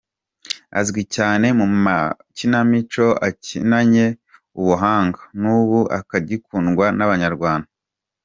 Azwi cyane mu makinamico akinanye ubuhanga n’ubu agikundwa n’Abanyarwanda.